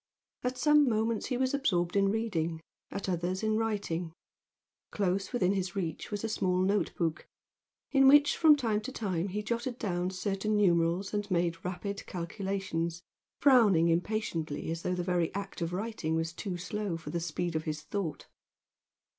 At some moments he was absorbed in reading, at others in writing. Close within his reach was a small note book in which from time to time he jotted down certain numerals and made rapid calculations, frowning impatiently as though the very act of writing was too slow for the speed of his thought.